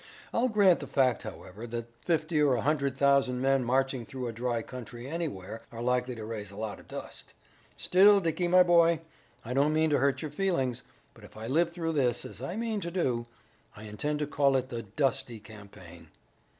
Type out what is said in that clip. I'll grant the fact, however, that fifty or a hundred thousand men marching through a dry country anywhere are likely to raise a lot of dust. Still, Dickie, my boy, I don't mean to hurt your feelings, but if I live through this, as I mean to do, I intend to call it the Dusty Campaign."